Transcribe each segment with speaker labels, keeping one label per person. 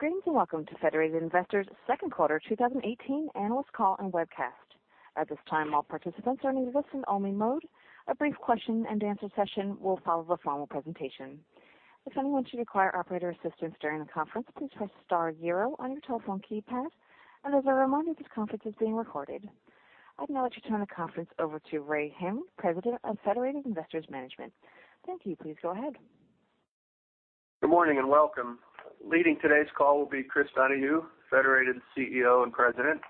Speaker 1: Greetings, welcome to Federated Investors' second quarter 2018 analyst call and webcast. At this time, all participants are in listen-only mode. A brief question-and-answer session will follow the formal presentation. If anyone should require operator assistance during the conference, please press star zero on your telephone keypad. As a reminder, this conference is being recorded. I'd now like to turn the conference over to Ray Hanley, President of Federated Investors Management Company. Thank you. Please go ahead.
Speaker 2: Good morning, welcome. Leading today's call will be Chris Donahue, Federated CEO and President,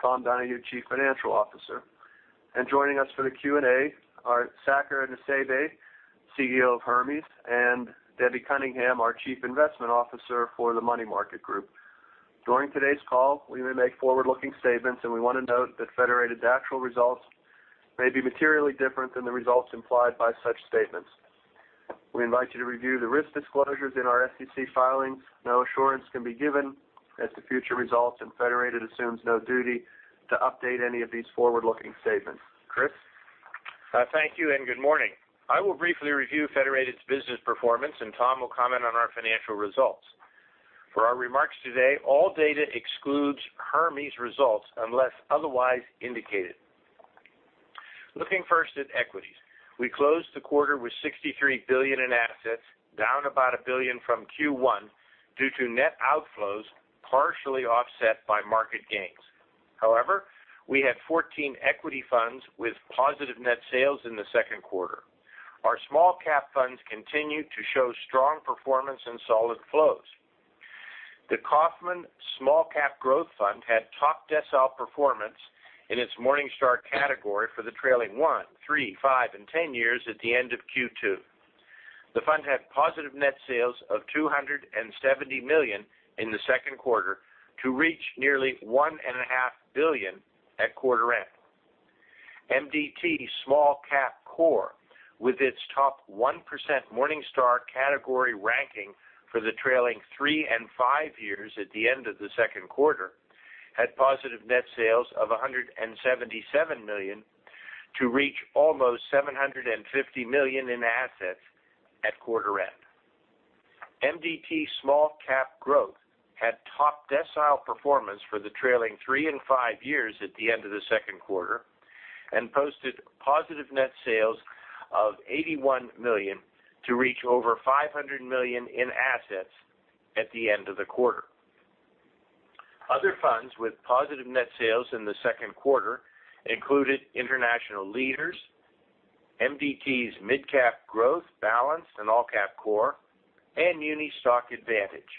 Speaker 2: Tom Donahue, Chief Financial Officer. Joining us for the Q&A are Saker Nusseibeh, CEO of Hermes, Debbie Cunningham, our Chief Investment Officer for the Money Market Group. During today's call, we may make forward-looking statements, we want to note that Federated's actual results may be materially different than the results implied by such statements. We invite you to review the risk disclosures in our SEC filings. No assurance can be given as to future results, Federated assumes no duty to update any of these forward-looking statements. Chris?
Speaker 3: Thank you, good morning. I will briefly review Federated's business performance, Tom will comment on our financial results. For our remarks today, all data excludes Hermes results unless otherwise indicated. Looking first at equities. We closed the quarter with $63 billion in assets, down about $1 billion from Q1 due to net outflows partially offset by market gains. However, we had 14 equity funds with positive net sales in the second quarter. Our small-cap funds continued to show strong performance and solid flows. The Kaufmann Small-Cap Growth Fund had top-decile performance in its Morningstar category for the trailing one, three, five, and 10 years at the end of Q2. The fund had positive net sales of $270 million in the second quarter to reach nearly $1.5 billion at quarter end. MDT Small Cap Core, with its top 1% Morningstar category ranking for the trailing three and five years at the end of the second quarter, had positive net sales of $177 million to reach almost $750 million in assets at quarter end. MDT Small Cap Growth had top-decile performance for the trailing three and five years at the end of the second quarter posted positive net sales of $81 million to reach over $500 million in assets at the end of the quarter. Other funds with positive net sales in the second quarter included International Leaders, MDT's Mid Cap Growth, Balance, All Cap Core, Unistock Advantage.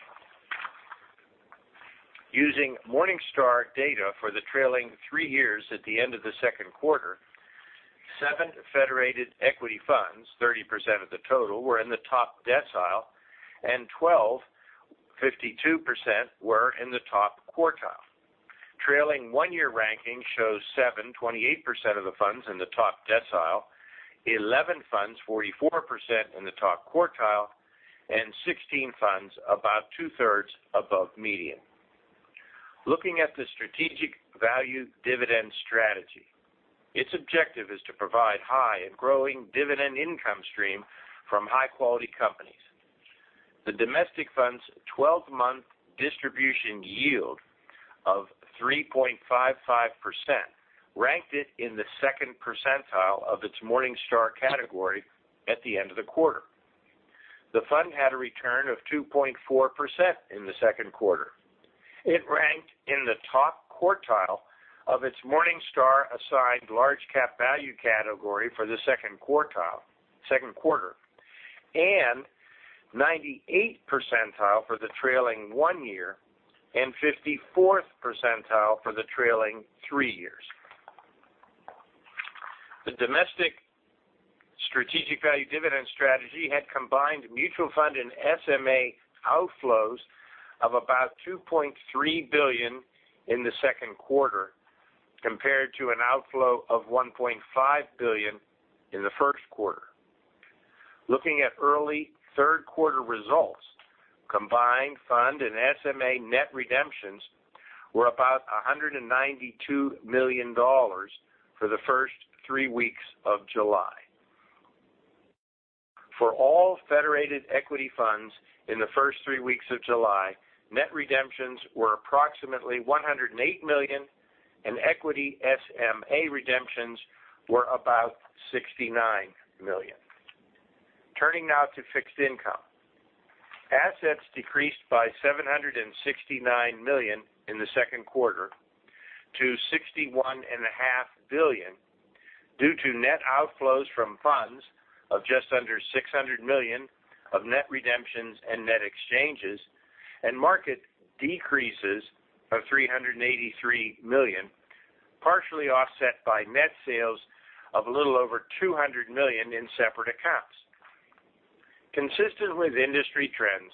Speaker 3: Using Morningstar data for the trailing three years at the end of the second quarter, seven Federated equity funds, 30% of the total, were in the top decile, 12, 52%, were in the top quartile. Trailing one-year ranking shows seven, 28% of the funds, in the top decile, 11 funds, 44%, in the top quartile, and 16 funds about two-thirds above median. Looking at the Strategic Value Dividend strategy. Its objective is to provide high and growing dividend income stream from high-quality companies. The domestic fund's 12-month distribution yield of 3.55% ranked it in the second percentile of its Morningstar category at the end of the quarter. The fund had a return of 2.4% in the second quarter. It ranked in the top quartile of its Morningstar-assigned large cap value category for the second quarter, and 98th percentile for the trailing one year and 54th percentile for the trailing three years. The domestic Strategic Value Dividend strategy had combined mutual fund and SMA outflows of about $2.3 billion in the second quarter compared to an outflow of $1.5 billion in the first quarter. Looking at early third-quarter results, combined fund and SMA net redemptions were about $192 million for the first three weeks of July. For all Federated equity funds in the first three weeks of July, net redemptions were approximately $108 million, and equity SMA redemptions were about $69 million. Turning now to fixed income. Assets decreased by $769 million in the second quarter to $61.5 billion due to net outflows from funds of just under $600 million of net redemptions and net exchanges and market decreases of $383 million, partially offset by net sales of a little over $200 million in separate accounts. Consistent with industry trends,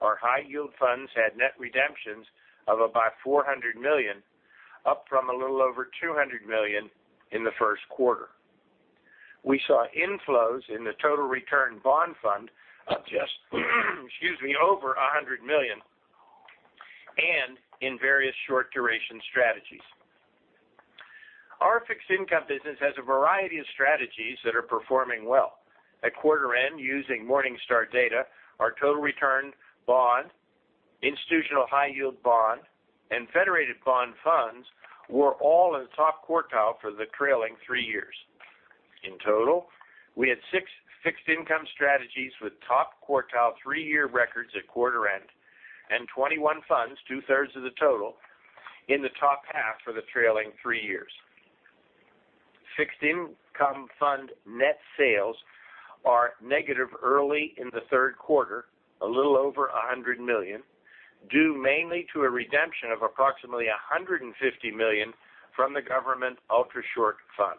Speaker 3: our high-yield funds had net redemptions of about $400 million, up from a little over $200 million in the first quarter. We saw inflows in the Total Return Bond Fund of just, excuse me, over $100 million and in various short-duration strategies. Our fixed income business has a variety of strategies that are performing well. At quarter end, using Morningstar data, our Total Return Bond Fund, Institutional High Yield Bond Fund, and Federated Bond Fund were all in the top quartile for the trailing three years. In total, we had six fixed income strategies with top-quartile three-year records at quarter end and 21 funds, two-thirds of the total, in the top half for the trailing three years. Fixed income fund net sales are negative early in the third quarter, a little over $100 million, due mainly to a redemption of approximately $150 million from the Government Ultrashort Fund.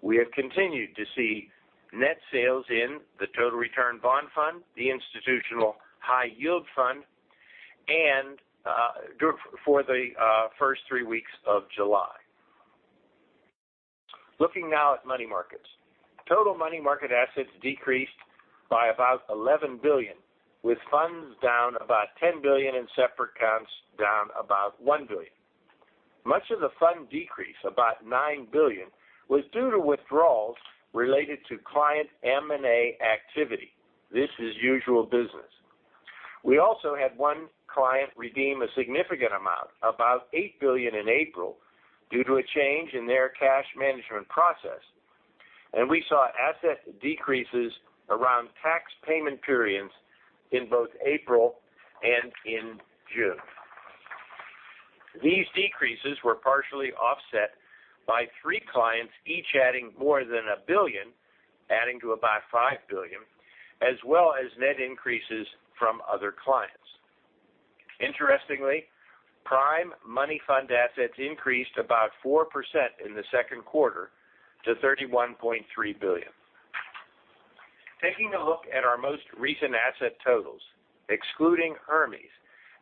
Speaker 3: We have continued to see net sales in the Total Return Bond Fund, the Institutional High Yield Fund, and for the first three weeks of July. Looking now at money markets. Total money market assets decreased by about $11 billion, with funds down about $10 billion and separate accounts down about $1 billion. Much of the fund decrease, about $9 billion, was due to withdrawals related to client M&A activity. This is usual business. We also had one client redeem a significant amount, about $8 billion in April, due to a change in their cash management process, and we saw asset decreases around tax payment periods in both April and in June. These decreases were partially offset by three clients, each adding more than $1 billion, adding to about $5 billion, as well as net increases from other clients. Interestingly, Prime money fund assets increased about 4% in the second quarter to $31.3 billion. Taking a look at our most recent asset totals, excluding Hermes,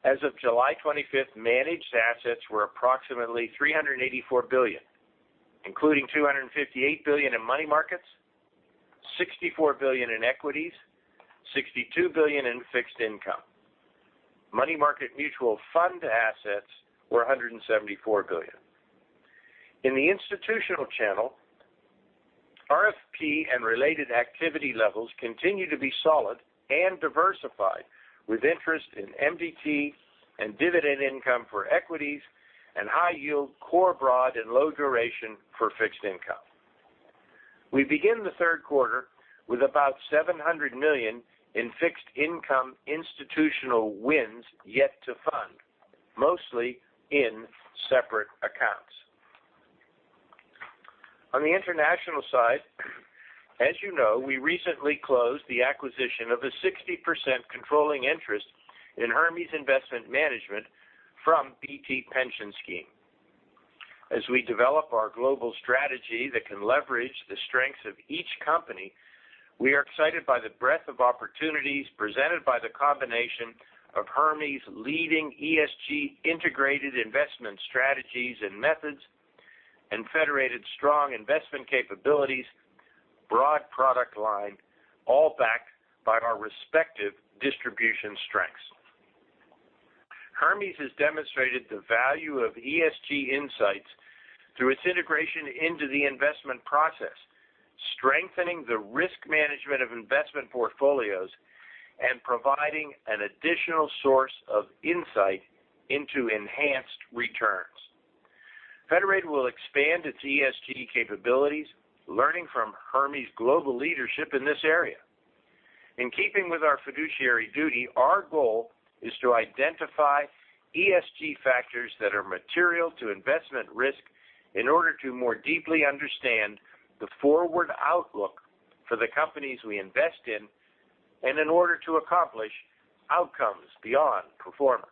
Speaker 3: as of July 25th, managed assets were approximately $384 billion, including $258 billion in money markets, $64 billion in equities, $62 billion in fixed income. Money market mutual fund assets were $174 billion. In the institutional channel, RFP and related activity levels continue to be solid and diversified, with interest in MDT and dividend income for equities, and high yield core broad and low duration for fixed income. We begin the third quarter with about $700 million in fixed income institutional wins yet to fund, mostly in separate accounts. On the international side, as you know, we recently closed the acquisition of a 60% controlling interest in Hermes Investment Management from BT Pension Scheme. As we develop our global strategy that can leverage the strengths of each company, we are excited by the breadth of opportunities presented by the combination of Hermes' leading ESG integrated investment strategies and methods, and Federated's strong investment capabilities, broad product line, all backed by our respective distribution strengths. Hermes has demonstrated the value of ESG insights through its integration into the investment process, strengthening the risk management of investment portfolios, and providing an additional source of insight into enhanced returns. Federated will expand its ESG capabilities, learning from Hermes' global leadership in this area. In keeping with our fiduciary duty, our goal is to identify ESG factors that are material to investment risk in order to more deeply understand the forward outlook for the companies we invest in, and in order to accomplish outcomes beyond performance.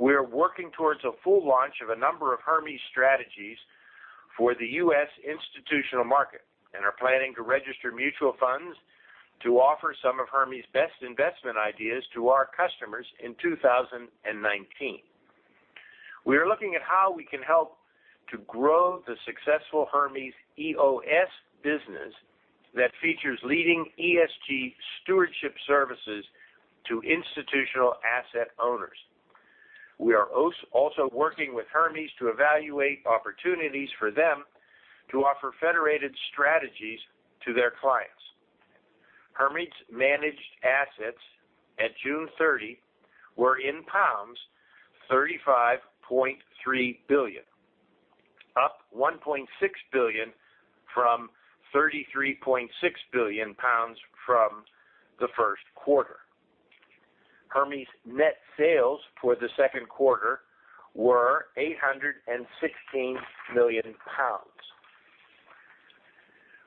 Speaker 3: We are working towards a full launch of a number of Hermes strategies for the U.S. institutional market and are planning to register mutual funds to offer some of Hermes' best investment ideas to our customers in 2019. We are looking at how we can help to grow the successful Hermes EOS business that features leading ESG stewardship services to institutional asset owners. We are also working with Hermes to evaluate opportunities for them to offer Federated strategies to their clients. Hermes' managed assets at June 30 were, pounds 35.3 billion, up 1.6 billion from 33.6 billion pounds from the first quarter. Hermes' net sales for the second quarter were 816 million pounds.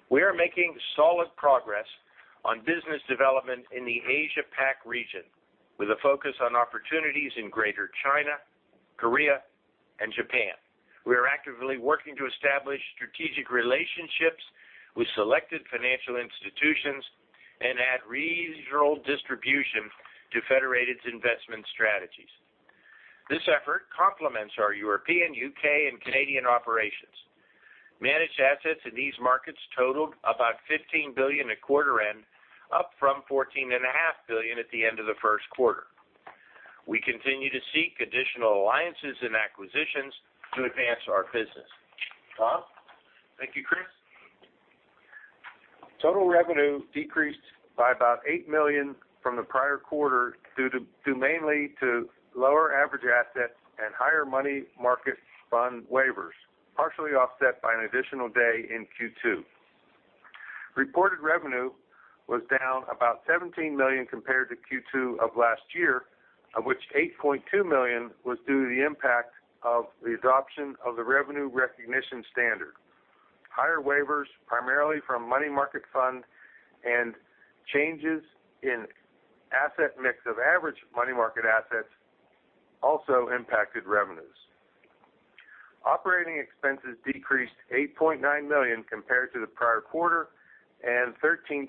Speaker 3: We are making solid progress on business development in the Asia Pac region, with a focus on opportunities in Greater China, Korea, and Japan. We are actively working to establish strategic relationships with selected financial institutions and add regional distribution to Federated's investment strategies. This effort complements our European, U.K., and Canadian operations. Managed assets in these markets totaled about $15 billion at quarter end, up from $14.5 billion at the end of the first quarter. We continue to seek additional alliances and acquisitions to advance our business. Tom?
Speaker 4: Thank you, Chris. Total revenue decreased by about $8 million from the prior quarter, due mainly to lower average assets and higher money market fund waivers, partially offset by an additional day in Q2. Reported revenue was down about $17 million compared to Q2 of last year, of which $8.2 million was due to the impact of the adoption of the revenue recognition standard. Higher waivers, primarily from money market fund and changes in asset mix of average money market assets also impacted revenues. Operating expenses decreased $8.9 million compared to the prior quarter, $13.3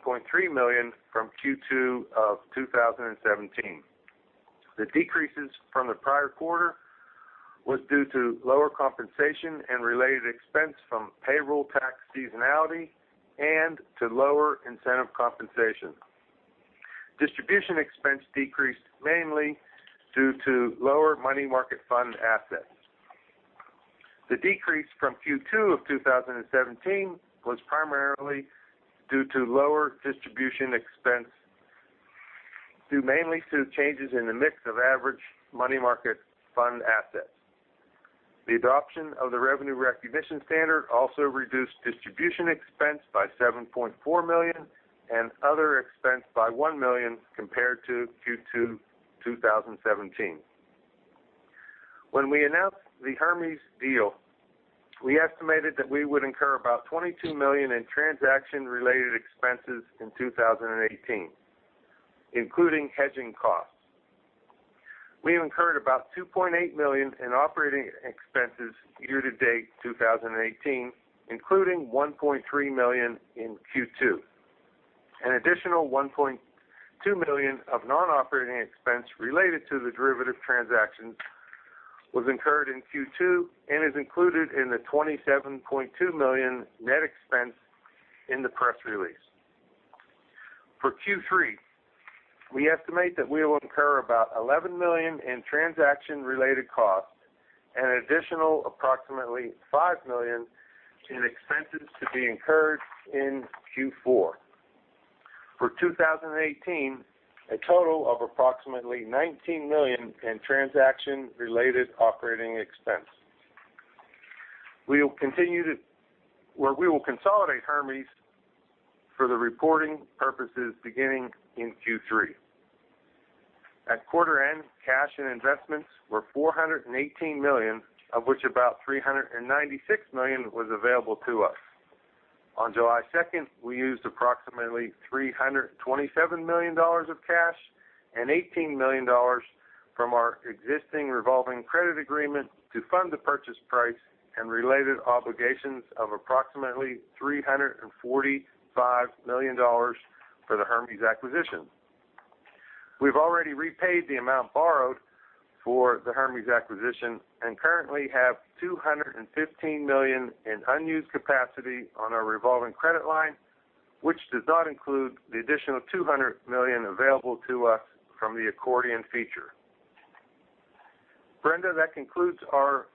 Speaker 4: million from Q2 of 2017. The decreases from the prior quarter was due to lower compensation and related expense from payroll tax seasonality and to lower incentive compensation. Distribution expense decreased mainly due to lower money market fund assets. The decrease from Q2 of 2017 was primarily due to lower distribution expense, due mainly to changes in the mix of average money market fund assets. The adoption of the revenue recognition standard also reduced distribution expense by $7.4 million and other expense by $1 million compared to Q2 2017. When we announced the Hermes deal, we estimated that we would incur about $22 million in transaction-related expenses in 2018, including hedging costs. We've incurred about $2.8 million in operating expenses year to date 2018, including $1.3 million in Q2. An additional $1.2 million of non-operating expense related to the derivative transaction was incurred in Q2 and is included in the $27.2 million net expense in the press release. For Q3, we estimate that we will incur about $11 million in transaction-related costs and an additional approximately $5 million in expenses to be incurred in Q4. For 2018, a total of approximately $19 million in transaction-related operating expense. We will consolidate Hermes for the reporting purposes beginning in Q3. At quarter end, cash and investments were $418 million, of which about $396 million was available to us. On July 2nd, we used approximately $327 million of cash and $18 million from our existing revolving credit agreement to fund the purchase price and related obligations of approximately $345 million for the Hermes acquisition. We've already repaid the amount borrowed for the Hermes acquisition and currently have $215 million in unused capacity on our revolving credit line, which does not include the additional $200 million available to us from the accordion feature. Brenda, that concludes our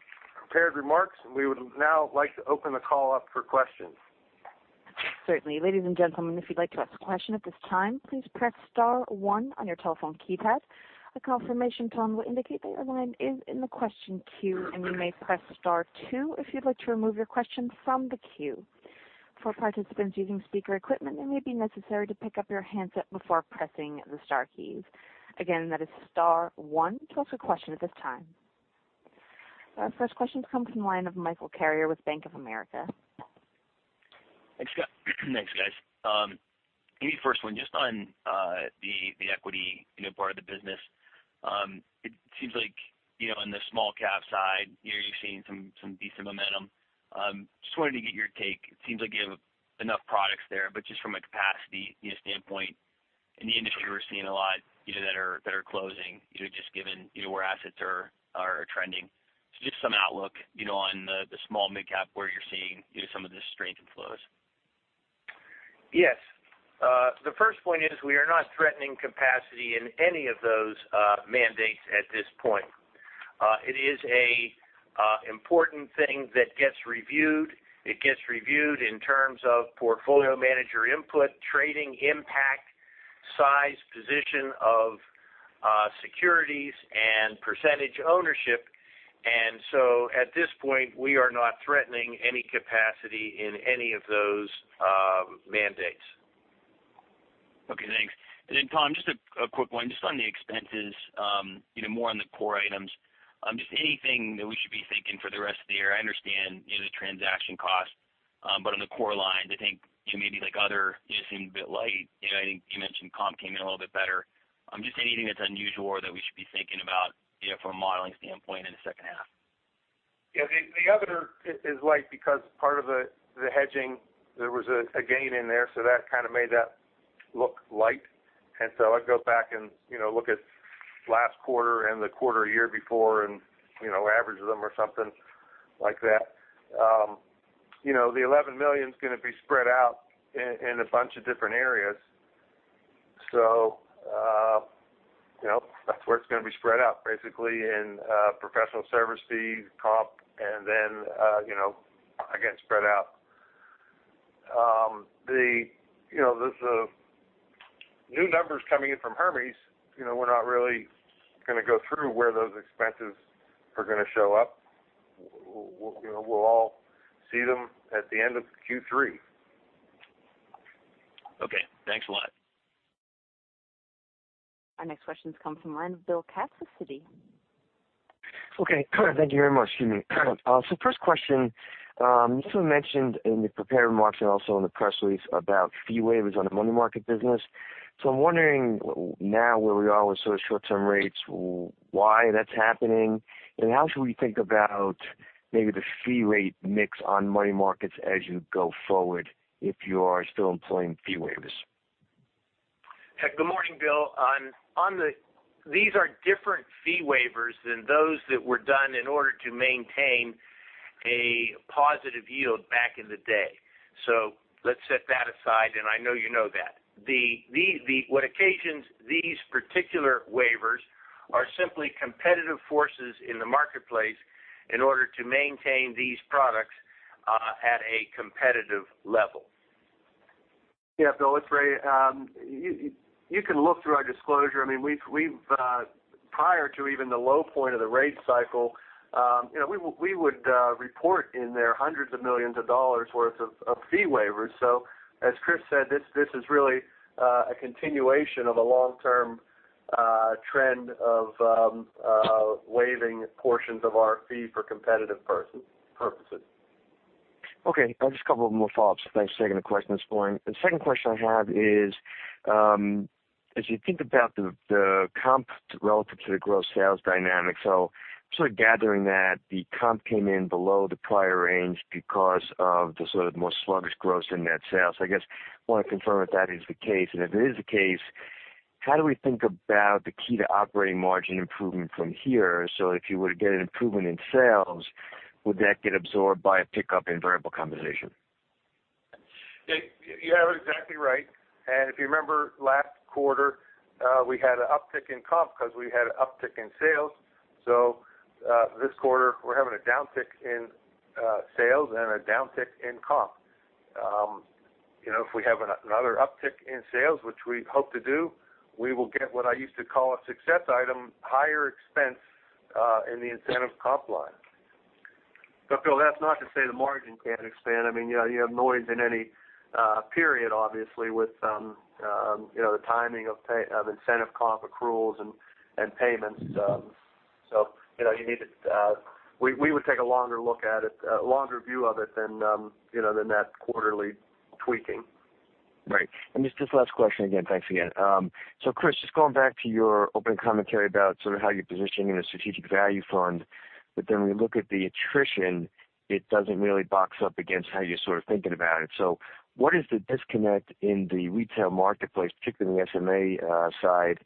Speaker 4: prepared remarks. We would now like to open the call up for questions.
Speaker 1: Certainly. Ladies and gentlemen, if you'd like to ask a question at this time, please press star 1 on your telephone keypad. A confirmation tone will indicate that your line is in the question queue, and you may press star 2 if you'd like to remove your question from the queue. For participants using speaker equipment, it may be necessary to pick up your handset before pressing the star keys. Again, that is star 1 to ask a question at this time. Our first question comes from the line of Michael Carrier with Bank of America.
Speaker 5: Thanks, guys. First one, just on the equity part of the business. It seems like on the small cap side, you're seeing some decent momentum. Just wanted to get your take. It seems like you have enough products there, just from a capacity standpoint in the industry, we're seeing a lot that are closing, just given where assets are trending. Just some outlook on the small mid-cap, where you're seeing some of the strength and flows.
Speaker 3: Yes. The first point is we are not threatening capacity in any of those mandates at this point. It is a important thing that gets reviewed. It gets reviewed in terms of portfolio manager input, trading impact, size, position of securities, and percentage ownership. At this point, we are not threatening any capacity in any of those mandates.
Speaker 5: Okay, thanks. Tom, just a quick one. Just on the expenses, more on the core items. Just anything that we should be thinking for the rest of the year. I understand the transaction cost. On the core line, to think maybe like other, just seemed a bit light. I think you mentioned comp came in a little bit better. Just anything that's unusual or that we should be thinking about from a modeling standpoint in the second half?
Speaker 4: Yeah. The other is light because part of the hedging, there was a gain in there, that kind of made that Look light. I go back and look at last quarter and the quarter a year before and average them or something like that. The $11 million's going to be spread out in a bunch of different areas. That's where it's going to be spread out, basically in professional service fees, comp, and then again, spread out. The new numbers coming in from Hermes, we're not really going to go through where those expenses are going to show up. We'll all see them at the end of Q3.
Speaker 5: Okay, thanks a lot.
Speaker 1: Our next question comes from the line of Bill Katz from Citi.
Speaker 6: Okay. Thank you very much. Excuse me. First question. You mentioned in the prepared remarks and also in the press release about fee waivers on the money market business. I'm wondering now where we are with sort of short-term rates, why that's happening, and how should we think about maybe the fee rate mix on money markets as you go forward if you are still employing fee waivers?
Speaker 3: Good morning, Bill. These are different fee waivers than those that were done in order to maintain a positive yield back in the day. Let's set that aside, and I know you know that. What occasions these particular waivers are simply competitive forces in the marketplace in order to maintain these products at a competitive level.
Speaker 2: Yeah. Bill, it's Ray. You can look through our disclosure. Prior to even the low point of the rate cycle, we would report in there $hundreds of millions worth of fee waivers. As Chris said, this is really a continuation of a long-term trend of waiving portions of our fee for competitive purposes.
Speaker 6: Okay. Just a couple of more follow-ups. Thanks for taking the question this morning. The second question I have is, as you think about the comp relative to the gross sales dynamic. I'm sort of gathering that the comp came in below the prior range because of the sort of more sluggish gross in net sales. I guess I want to confirm if that is the case, and if it is the case, how do we think about the key to operating margin improvement from here? If you were to get an improvement in sales, would that get absorbed by a pickup in variable compensation?
Speaker 4: You have it exactly right. If you remember last quarter, we had an uptick in comp because we had an uptick in sales. This quarter, we're having a downtick in sales and a downtick in comp. If we have another uptick in sales, which we hope to do, we will get what I used to call a success item, higher expense in the incentive comp line. Bill, that's not to say the margin can't expand. You have noise in any period, obviously, with the timing of incentive comp accruals and payments. We would take a longer look at it, a longer view of it than that quarterly tweaking.
Speaker 6: Right. Just this last question again. Thanks again. Chris, just going back to your opening commentary about sort of how you're positioning the Strategic Value Dividend Fund, but then we look at the attrition, it doesn't really box up against how you're sort of thinking about it. What is the disconnect in the retail marketplace, particularly on the SMA side,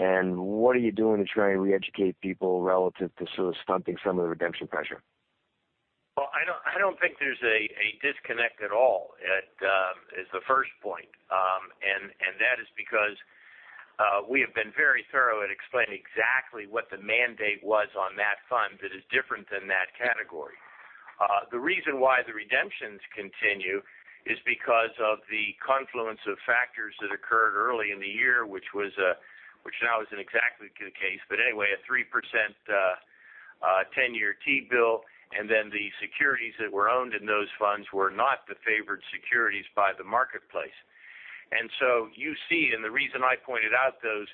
Speaker 6: and what are you doing to try and reeducate people relative to sort of stumping some of the redemption pressure?
Speaker 3: I don't think there's a disconnect at all is the first point. That is because we have been very thorough at explaining exactly what the mandate was on that fund that is different than that category. The reason why the redemptions continue is because of the confluence of factors that occurred early in the year, which now isn't exactly the case, but anyway, a 3% 10-year T bill, then the securities that were owned in those funds were not the favored securities by the marketplace. You see, the reason I pointed out those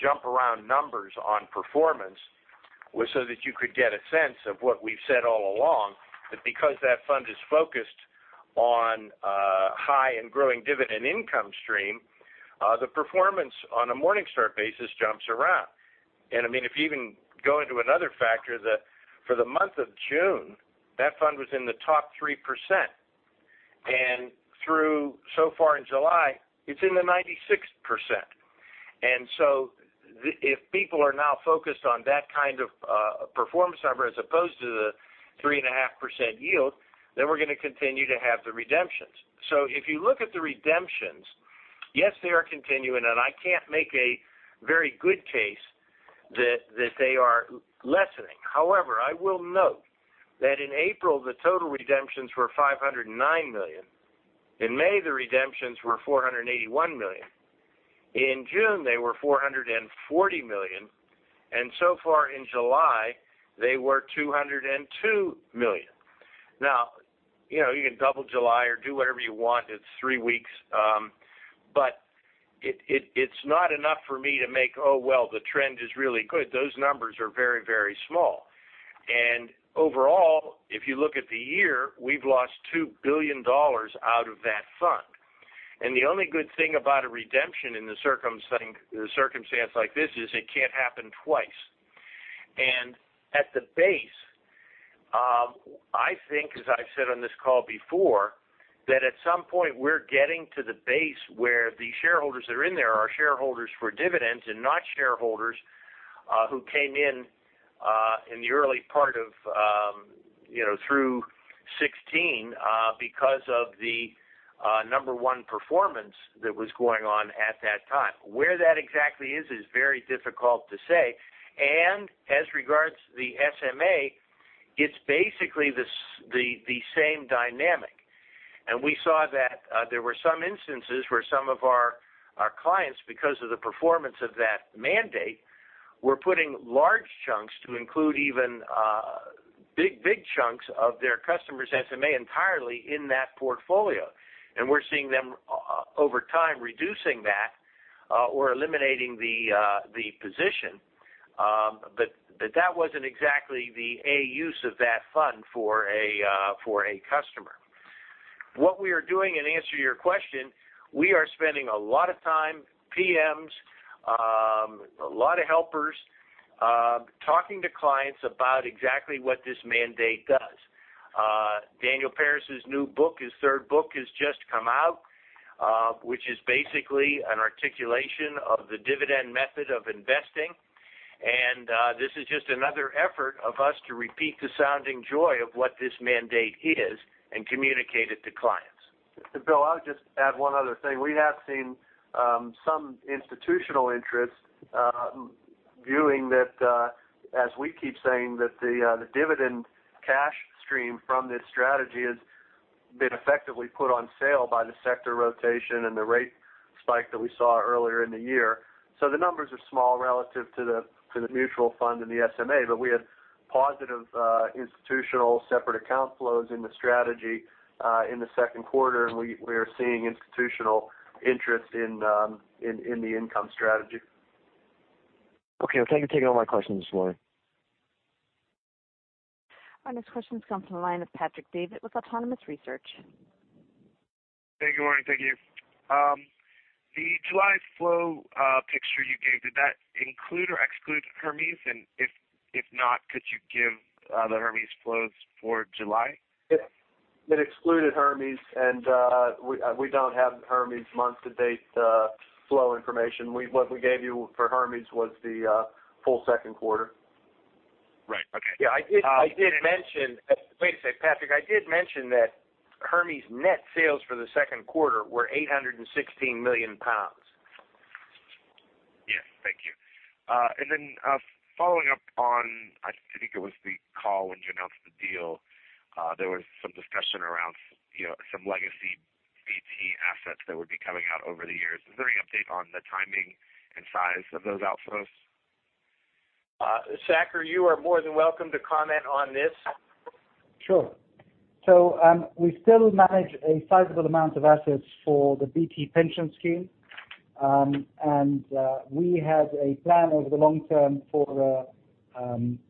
Speaker 3: jump around numbers on performance was so that you could get a sense of what we've said all along, that because that fund is focused on high and growing dividend income stream, the performance on a Morningstar basis jumps around. If you even go into another factor that for the month of June, that fund was in the top 3%. Through so far in July, it's in the 96%. If people are now focused on that kind of performance number as opposed to the 3.5% yield, then we're going to continue to have the redemptions. If you look at the redemptions, yes, they are continuing, and I can't make a very good case that they are lessening. However, I will note that in April, the total redemptions were $509 million. In May, the redemptions were $481 million. In June, they were $440 million. So far in July, they were $202 million. Now you can double July or do whatever you want. It's three weeks. It's not enough for me to make, oh, well, the trend is really good. Those numbers are very, very small. Overall, if you look at the year, we've lost $2 billion out of that fund. The only good thing about a redemption in the circumstance like this is it can't happen twice. At the base I think, as I've said on this call before, that at some point we're getting to the base where the shareholders that are in there are shareholders for dividends and not shareholders who came in the early part of through 2016 because of the number 1 performance that was going on at that time. Where that exactly is very difficult to say. As regards to the SMA, it's basically the same dynamic. We saw that there were some instances where some of our clients, because of the performance of that mandate, were putting large chunks to include even big chunks of their customer's SMA entirely in that portfolio. We're seeing them over time reducing that or eliminating the position. That wasn't exactly the A use of that fund for a customer. What we are doing, in answer to your question, we are spending a lot of time, PMs, a lot of helpers, talking to clients about exactly what this mandate does. Daniel Peris' new book, his third book, has just come out which is basically an articulation of the dividend method of investing. This is just another effort of us to repeat the sounding joy of what this mandate is and communicate it to clients.
Speaker 2: Bill, I'll just add one other thing. We have seen some institutional interest viewing that, as we keep saying, that the dividend cash stream from this strategy has been effectively put on sale by the sector rotation and the rate spike that we saw earlier in the year. The numbers are small relative to the mutual fund and the SMA, but we had positive institutional separate account flows in the strategy in the second quarter, and we are seeing institutional interest in the income strategy.
Speaker 6: Okay. Thank you. Take all my questions this morning.
Speaker 1: Our next question comes from the line of Patrick Davitt with Autonomous Research.
Speaker 7: Hey, good morning. Thank you. The July flow picture you gave, did that include or exclude Hermes? If not, could you give the Hermes flows for July?
Speaker 2: It excluded Hermes. We don't have Hermes month-to-date flow information. What we gave you for Hermes was the full second quarter.
Speaker 7: Right. Okay.
Speaker 3: Yeah, I did mention Wait a second, Patrick, I did mention that Hermes net sales for the second quarter were 816 million pounds.
Speaker 7: Yes. Thank you. Following up on, I think it was the call when you announced the deal, there was some discussion around some legacy BT assets that would be coming out over the years. Is there any update on the timing and size of those outflows?
Speaker 3: Saker, you are more than welcome to comment on this.
Speaker 8: Sure. We still manage a sizable amount of assets for the BT Pension Scheme. We have a plan over the long term for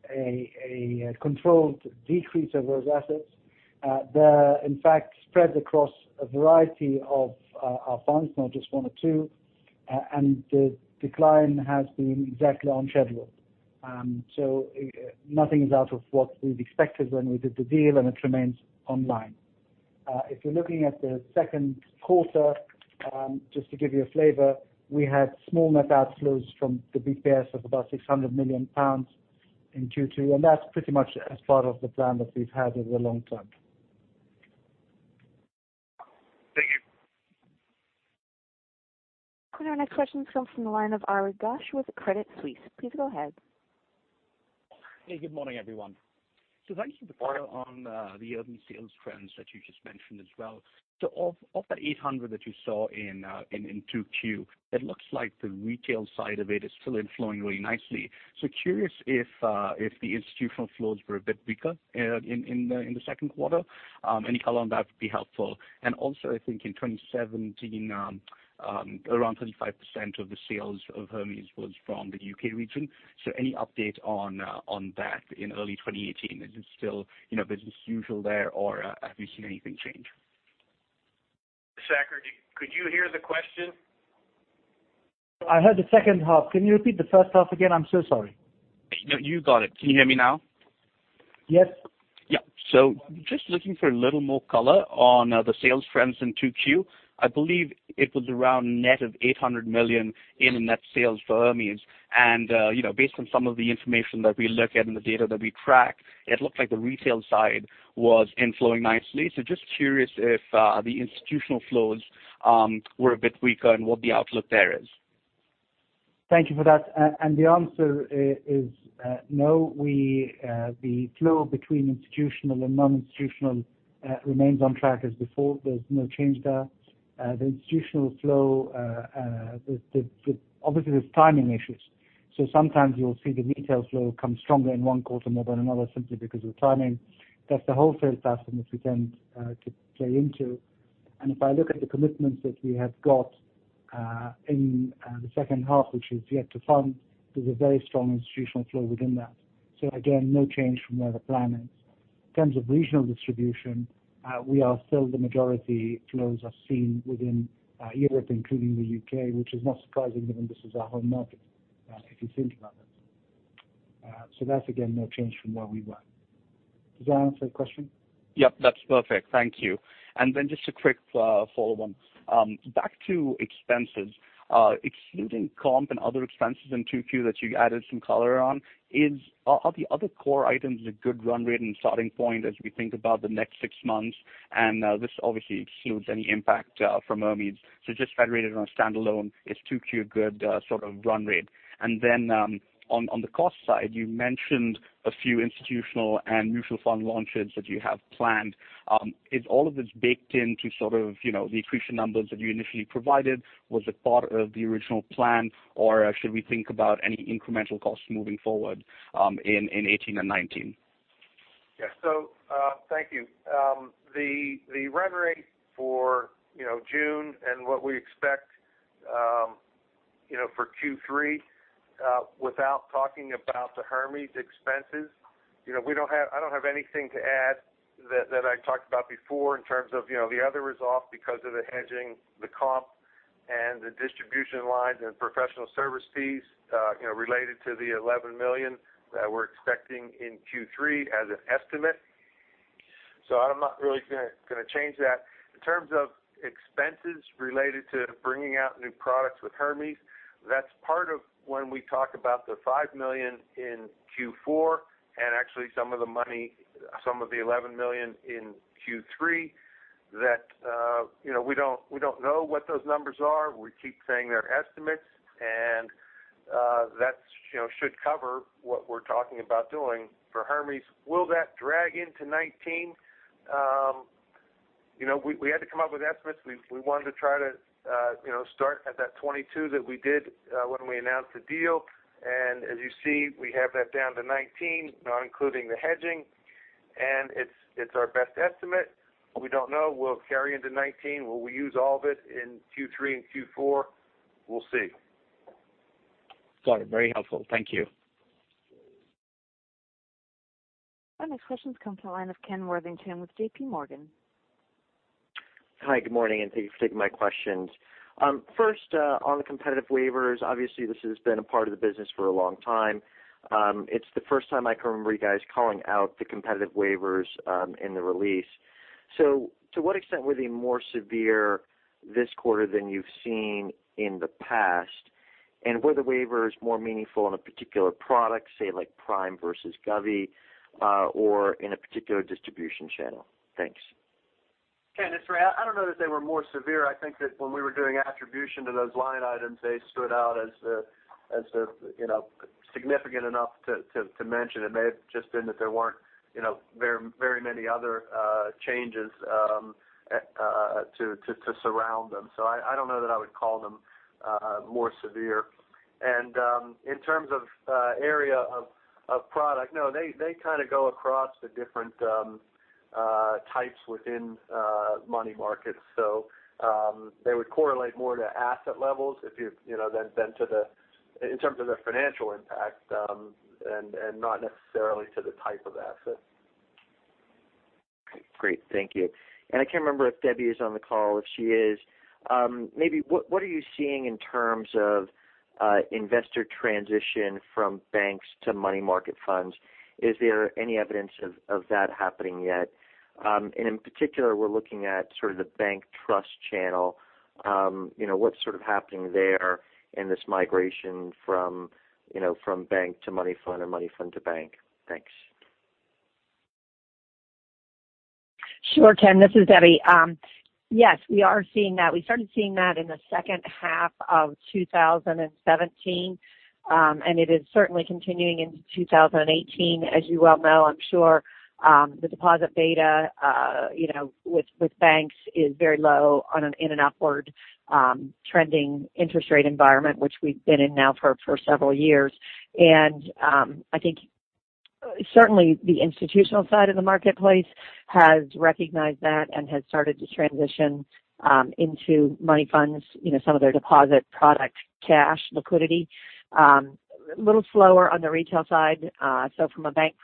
Speaker 8: a controlled decrease of those assets. They're in fact spread across a variety of our funds, not just one or two, and the decline has been exactly on schedule. Nothing is out of what we've expected when we did the deal, and it remains online. If you're looking at the second quarter, just to give you a flavor, we had small net outflows from the BTPS of about 600 million pounds in Q2, and that's pretty much as part of the plan that we've had over the long term.
Speaker 7: Thank you.
Speaker 1: Our next question comes from the line of Ari Ghosh with Credit Suisse. Please go ahead.
Speaker 9: Good morning, everyone. If I can follow on the Hermes sales trends that you just mentioned as well. Of that $800 that you saw in 2Q, it looks like the retail side of it is still flowing really nicely. Curious if the institutional flows were a bit weaker in the second quarter. Any color on that would be helpful. Also I think in 2017, around 35% of the sales of Hermes was from the U.K. region. Any update on that in early 2018? Is it still business as usual there, or have you seen anything change?
Speaker 3: Saker, could you hear the question?
Speaker 8: I heard the second half. Can you repeat the first half again? I'm so sorry.
Speaker 9: No, you got it. Can you hear me now? Yes. Yeah. Just looking for a little more color on the sales trends in 2Q. I believe it was around net of $800 million in net sales for Hermes. Based on some of the information that we look at and the data that we track, it looked like the retail side was in-flowing nicely. Just curious if the institutional flows were a bit weaker and what the outlook there is.
Speaker 8: Thank you for that. The answer is no. The flow between institutional and non-institutional remains on track as before. There's no change there. The institutional flow, obviously, there's timing issues. Sometimes you'll see the retail flow come stronger in one quarter more than another simply because of timing. That's the wholesale stuff that we tend to play into. If I look at the commitments that we have got in the second half, which is yet to fund, there's a very strong institutional flow within that. Again, no change from where the plan is. In terms of regional distribution, we are still the majority flows are seen within Europe, including the U.K., which is not surprising given this is our home market. If you think about it. That's again, no change from where we were. Does that answer your question?
Speaker 9: Yep, that's perfect. Thank you. Then just a quick follow-on. Back to expenses, excluding comp and other expenses in 2Q that you added some color on, are the other core items a good run rate and starting point as we think about the next six months? This obviously excludes any impact from Hermes. Just Federated on a standalone, is 2Q a good sort of run rate? Then on the cost side, you mentioned a few institutional and mutual fund launches that you have planned. Is all of this baked into sort of the accretion numbers that you initially provided? Was it part of the original plan, or should we think about any incremental costs moving forward in 2018 and 2019?
Speaker 4: Thank you. The run rate for June and what we expect for Q3 without talking about the Hermes expenses, I don't have anything to add that I talked about before in terms of the other resolve because of the hedging, the comp, and the distribution lines, and professional service fees related to the $11 million that we're expecting in Q3 as an estimate. I'm not really going to change that. In terms of expenses related to bringing out new products with Hermes, that's part of when we talk about the $5 million in Q4, and actually some of the $11 million in Q3 that we don't know what those numbers are. We keep saying they're estimates, and that should cover what we're talking about doing for Hermes. Will that drag into 2019? We had to come up with estimates. We wanted to try to start at that 2022 that we did when we announced the deal. As you see, we have that down to 2019, not including the hedging, and it's our best estimate. We don't know. Will it carry into 2019? Will we use all of it in Q3 and Q4? We'll see.
Speaker 9: Got it. Very helpful. Thank you.
Speaker 1: Our next question comes to the line of Ken Worthington with JPMorgan.
Speaker 10: Hi, good morning, and thank you for taking my questions. First, on the competitive waivers, obviously this has been a part of the business for a long time. It's the first time I can remember you guys calling out the competitive waivers in the release. To what extent were they more severe this quarter than you've seen in the past? Were the waivers more meaningful in a particular product, say like prime versus govy, or in a particular distribution channel? Thanks.
Speaker 2: Ken, it's Ray. I don't know that they were more severe. I think that when we were doing attribution to those line items, they stood out as significant enough to mention. It may have just been that there weren't very many other changes to surround them. I don't know that I would call them more severe. In terms of area of product, no, they kind of go across the different types within money markets. They would correlate more to asset levels in terms of their financial impact, and not necessarily to the type of asset.
Speaker 10: Great. Thank you. I can't remember if Debbie is on the call. If she is, maybe what are you seeing in terms of investor transition from banks to money market funds? Is there any evidence of that happening yet? In particular, we're looking at sort of the bank trust channel. What's sort of happening there in this migration from bank to money fund or money fund to bank? Thanks.
Speaker 11: Sure, Ken. This is Debbie. Yes, we are seeing that. We started seeing that in the second half of 2017. It is certainly continuing into 2018. As you well know, I'm sure the deposit data with banks is very low in an upward trending interest rate environment, which we've been in now for several years. I think certainly the institutional side of the marketplace has recognized that and has started to transition into money funds some of their deposit product cash liquidity. A little slower on the retail side. From a bank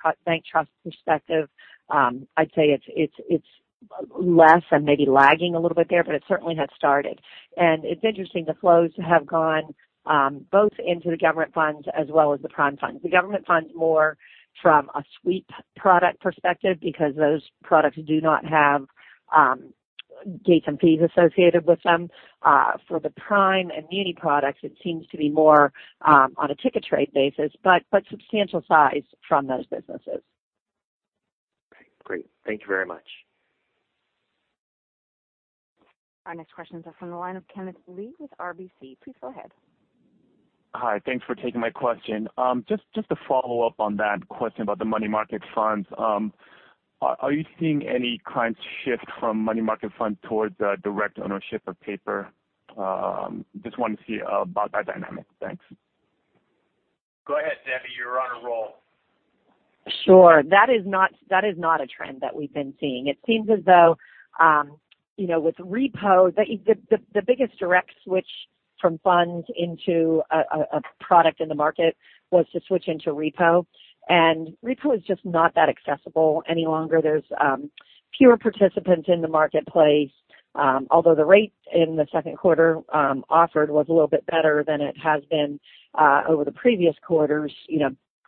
Speaker 11: trust perspective, I'd say it's less and maybe lagging a little bit there, but it certainly has started. It's interesting, the flows have gone both into the government funds as well as the prime funds. The government funds more from a sweep product perspective because those products do not have gates and fees associated with them. For the prime and muni products, it seems to be more on a ticket trade basis, but substantial size from those businesses.
Speaker 10: Okay, great. Thank you very much.
Speaker 1: Our next questions are from the line of Kenneth Lee with RBC. Please go ahead.
Speaker 12: Hi. Thanks for taking my question. Just to follow up on that question about the money market funds. Are you seeing any clients shift from money market fund towards a direct ownership of paper? Just wanted to hear about that dynamic. Thanks.
Speaker 2: Go ahead, Debbie. You're on a roll.
Speaker 11: Sure. That is not a trend that we've been seeing. It seems as though with repo, the biggest direct switch from funds into a product in the market was to switch into repo. Repo is just not that accessible any longer. There's fewer participants in the marketplace. Although the rates in the second quarter offered was a little bit better than it has been over the previous quarters,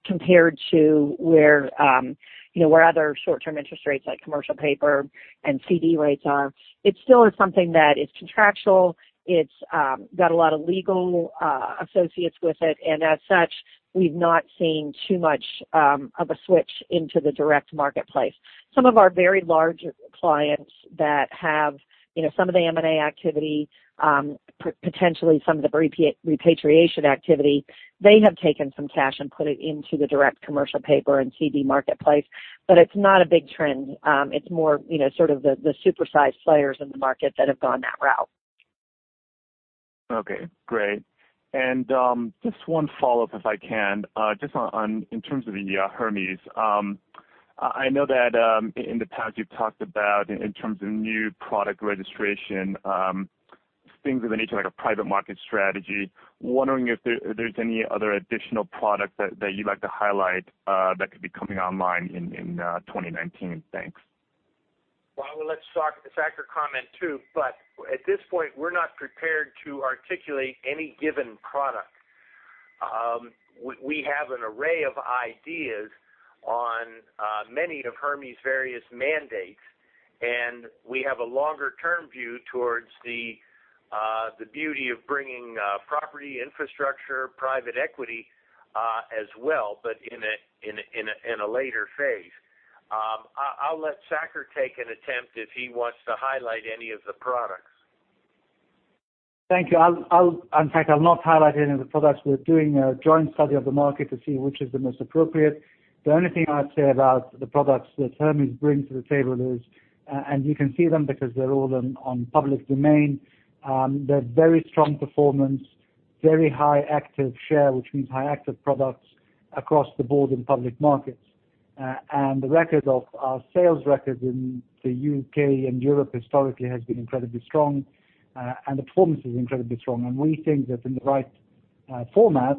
Speaker 11: compared to where other short-term interest rates like commercial paper and CD rates are. It still is something that is contractual. It's got a lot of legal associates with it, and as such, we've not seen too much of a switch into the direct marketplace. Some of our very large clients that have some of the M&A activity, potentially some of the repatriation activity, they have taken some cash and put it into the direct commercial paper and CD marketplace. It's not a big trend. It's more sort of the super-sized players in the market that have gone that route.
Speaker 12: Okay, great. Just one follow-up if I can, just in terms of the Hermes. I know that in the past you've talked about, in terms of new product registration, things of the nature like a private market strategy. Wondering if there's any other additional product that you'd like to highlight that could be coming online in 2019. Thanks.
Speaker 3: Well, I will let Saker comment too, but at this point, we're not prepared to articulate any given product. We have an array of ideas on many of Hermes' various mandates, and we have a longer-term view towards the beauty of bringing property, infrastructure, private equity as well, but in a later phase. I'll let Saker take an attempt if he wants to highlight any of the products.
Speaker 8: Thank you. In fact, I'll not highlight any of the products. We're doing a joint study of the market to see which is the most appropriate. The only thing I'd say about the products that Hermes bring to the table is, and you can see them because they're all on public domain. They're very strong performance, very high active share, which means high active products across the board in public markets. The record of our sales record in the U.K. and Europe historically has been incredibly strong, and the performance is incredibly strong. We think that in the right format,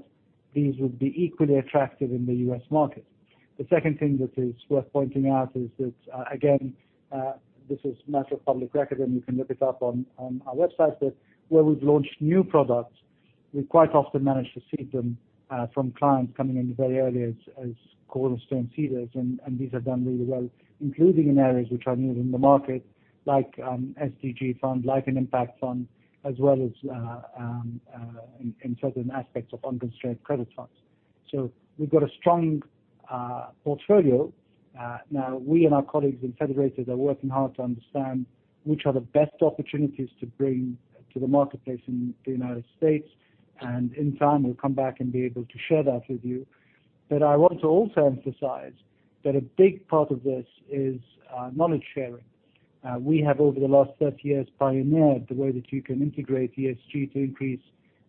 Speaker 8: these would be equally attractive in the U.S. market. The second thing that is worth pointing out is that, again, this is a matter of public record, and you can look it up on our website. Where we've launched new products, we quite often manage to seed them from clients coming in very early as cornerstone seeders, and these have done really well, including in areas which are new in the market, like SDG fund, like an impact fund, as well as in certain aspects of unconstrained credit funds. We've got a strong portfolio. Now, we and our colleagues in Federated are working hard to understand which are the best opportunities to bring to the marketplace in the U.S. In time, we'll come back and be able to share that with you. I want to also emphasize that a big part of this is knowledge-sharing. We have over the last 30 years pioneered the way that you can integrate ESG to increase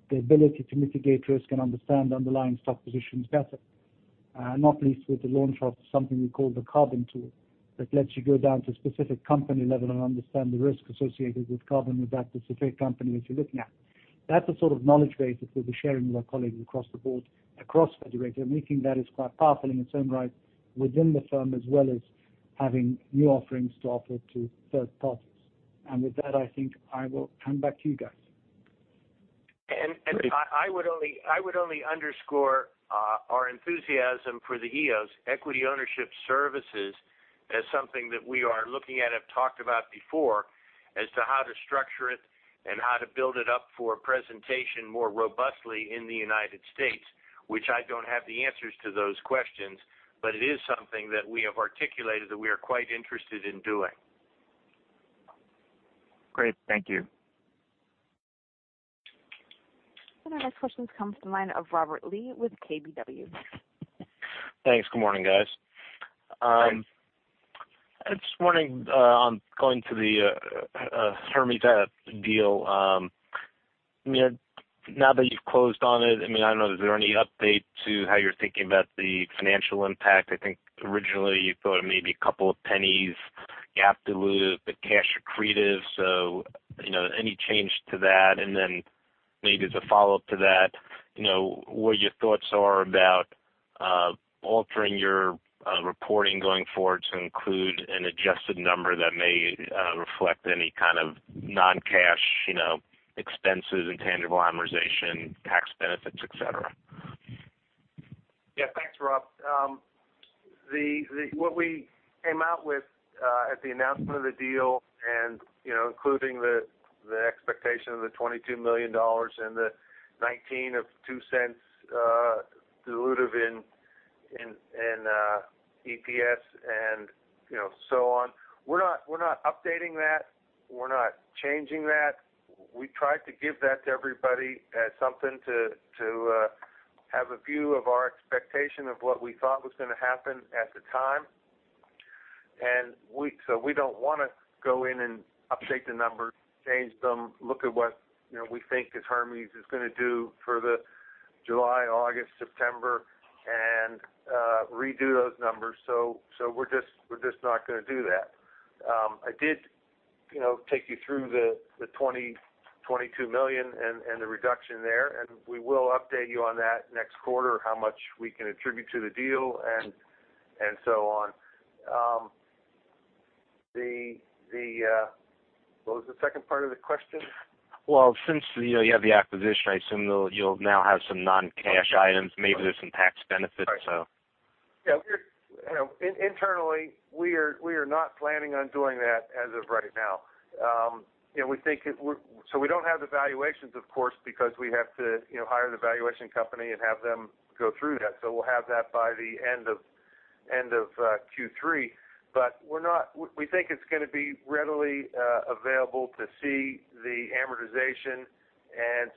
Speaker 8: the ability to mitigate risk and understand underlying stock positions better. Not least with the launch of something we call the Carbon Tool that lets you go down to a specific company level and understand the risk associated with carbon with that specific company that you're looking at. That's the sort of knowledge base that we'll be sharing with our colleagues across the board, across Federated, making that is quite powerful in its own right within the firm, as well as having new offerings to offer to third parties. With that, I think I will hand back to you guys.
Speaker 3: I would only underscore our enthusiasm for the EOS, equity ownership services, as something that we are looking at and talked about before as to how to structure it and how to build it up for presentation more robustly in the U.S., which I don't have the answers to those questions. It is something that we have articulated that we are quite interested in doing.
Speaker 12: Great. Thank you.
Speaker 1: Our next question comes from Robert Lee with KBW.
Speaker 13: Thanks. Good morning, guys.
Speaker 3: Hi.
Speaker 13: I'm just wondering on going to the Hermes deal. Now that you've closed on it, I mean, I don't know, is there any update to how you're thinking about the financial impact? I think originally you thought it may be a couple of pennies GAAP dilutive, but cash accretive. Any change to that? Maybe as a follow-up to that, what your thoughts are about altering your reporting going forward to include an adjusted number that may reflect any kind of non-cash expenses, intangible amortization, tax benefits, et cetera.
Speaker 4: Yeah, thanks, Rob. What we came out with at the announcement of the deal and including the expectation of the $22 million and the 19 of $0.02 dilutive in EPS and so on. We're not updating that. We're not changing that. We tried to give that to everybody as something to have a view of our expectation of what we thought was going to happen at the time. We don't want to go in and update the numbers, change them, look at what we think as Hermes is going to do for the July, August, September, and redo those numbers. We're just not going to do that. I did take you through the $22 million and the reduction there, and we will update you on that next quarter, how much we can attribute to the deal and so on. What was the second part of the question?
Speaker 13: Since you have the acquisition, I assume you'll now have some non-cash items. Maybe there's some tax benefits.
Speaker 4: Internally, we are not planning on doing that as of right now. We don't have the valuations, of course, because we have to hire the valuation company and have them go through that. We'll have that by the end of Q3. We think it's going to be readily available to see the amortization,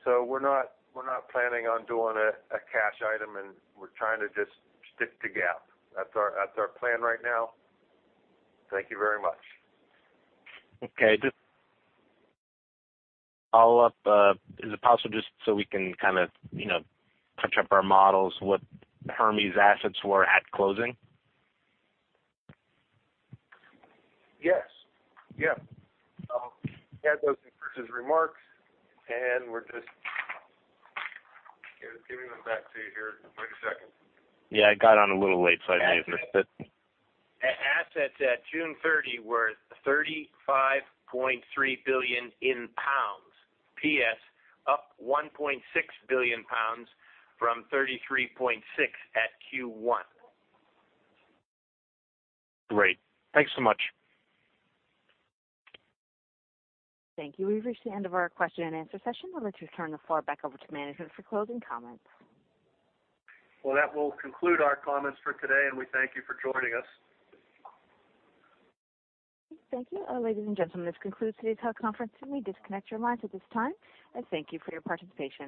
Speaker 4: we're not planning on doing a cash item, we're trying to just stick to GAAP. That's our plan right now. Thank you very much.
Speaker 13: Okay. Just to follow up, is it possible, just so we can touch up our models, what Hermes assets were at closing?
Speaker 4: Yes. We had those in Chris's remarks, we're just giving them back to you here. Wait a second.
Speaker 13: Yeah, I got on a little late, I may have missed it.
Speaker 3: Assets at June 30 were 35.3 billion pounds, BTPS up 1.6 billion pounds from 33.6 billion at Q1.
Speaker 13: Great. Thanks so much.
Speaker 1: Thank you. We've reached the end of our question and answer session. I'd like to turn the floor back over to management for closing comments.
Speaker 4: Well, that will conclude our comments for today. We thank you for joining us.
Speaker 1: Thank you. Ladies and gentlemen, this concludes today's conference. You may disconnect your lines at this time, and thank you for your participation.